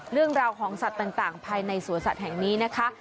เรื่องราวของสัตว์ต่างภายในสวนสัตว์แห่งนี้นะคะ